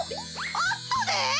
あったで！